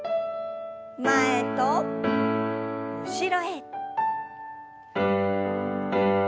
前と後ろへ。